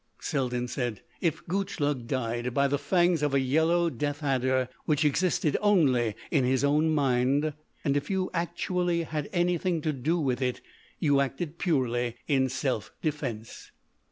Selden said: "If Gutchlug died by the fangs of a yellow death adder which existed only in his own mind, and if you actually had anything to do with it you acted purely in self defence."